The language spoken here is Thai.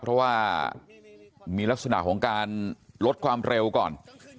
เพราะว่ามีลักษณะของการลดความเร็วก่อน